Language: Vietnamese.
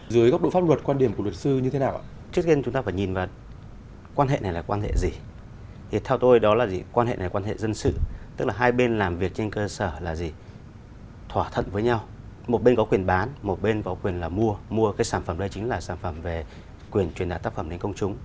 dưới góc độ pháp luật quan điểm của luật sư như thế nào